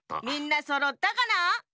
みんなそろったかな？